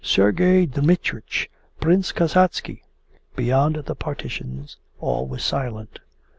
Sergey Dmitrich! Prince Kasatsky!' Beyond the partition all was silent.